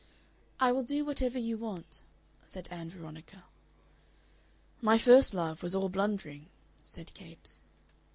"I will do whatever you want," said Ann Veronica. "My first love was all blundering," said Capes.